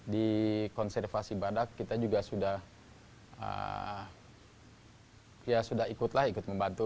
di konservasi badak kita juga sudah ikutlah ikut membantu